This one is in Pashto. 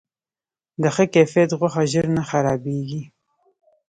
د ښه کیفیت غوښه ژر نه خرابیږي.